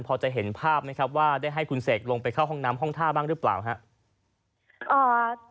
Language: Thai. พอจะเห็นภาพไหมครับว่าได้ให้คุณเสกลงไปเข้าห้องน้ำห้องท่าบ้างหรือเปล่าครับ